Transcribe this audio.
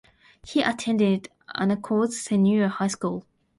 He attended Anacortes Senior High school.